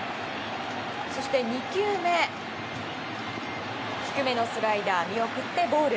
そして、２球目低めのスライダーを見送ってボール。